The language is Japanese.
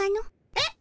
えっ？